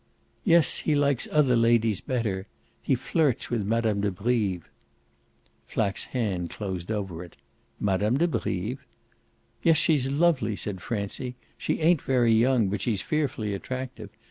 "Yes, he likes other ladies better. He flirts with Mme. de Brives." Mr. Flack's hand closed over it. "Mme. de Brives?" "Yes, she's lovely," said Francie. "She ain't very young, but she's fearfully attractive.